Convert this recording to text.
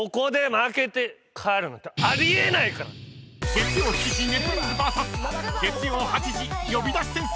［月曜７時ネプリーグＶＳ月曜８時呼び出し先生